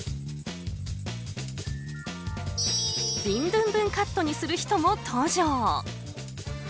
ビンドゥンドゥンカットにする人も登場。